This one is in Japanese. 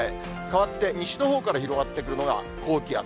かわって西のほうから広がってくるのが高気圧。